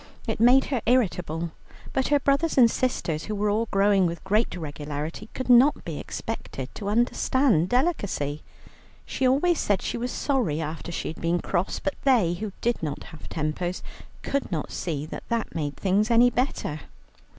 It made her irritable, but her brothers and sisters, who were all growing with great regularity, could not be expected to understand delicacy. She always said she was sorry after she had been cross, but they, who did not have tempers, could not see that that made things any better.